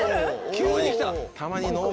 急に来た。